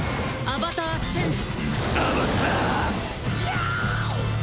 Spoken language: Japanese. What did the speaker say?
アバターチェンジ！